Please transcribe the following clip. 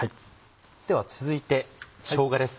では続いてしょうがです。